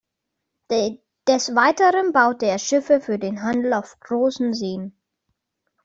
Des Weiteren baute er Schiffe für den Handel auf den Großen Seen.